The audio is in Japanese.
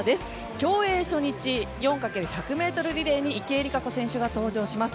競泳初日、４×１００ｍリレーに池江璃花子選手が登場します。